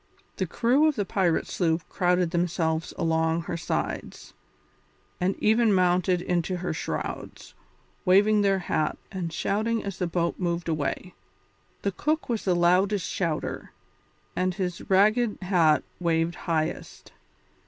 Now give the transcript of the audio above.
The crew of the pirate sloop crowded themselves along her sides, and even mounted into her shrouds, waving their hats and shouting as the boat moved away. The cook was the loudest shouter, and his ragged hat waved highest.